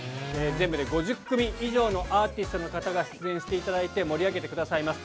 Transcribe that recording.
全部で５０組以上のアーティストの方が出演していただいて、盛り上げていただきます。